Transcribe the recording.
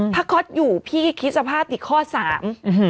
พระคอร์ตอยู่พี่คิดสภาพอีกข้อสาม